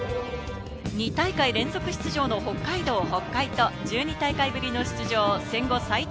２大会連続出場の北海道・北海と、１２大会ぶりの出場、戦後最多